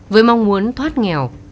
với mong muốn thoát nghèo